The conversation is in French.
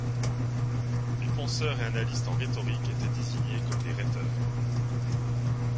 Les penseurs et analystes en rhétorique étaient désignés comme des rhéteurs.